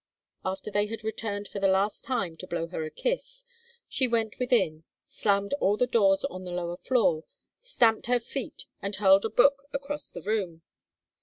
After they had turned for the last time to blow her a kiss, she went within, slammed all the doors on the lower floor, stamped her feet, and hurled a book across the room.